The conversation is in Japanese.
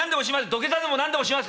土下座でも何でもしますから。